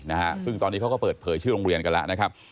นะฮะซึ่งตอนนี้เขาก็เปิดเผยชื่อโรงเรียนกันแล้วนะครับ